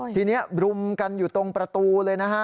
ทีนี้รุมกันอยู่ตรงประตูเลยนะฮะ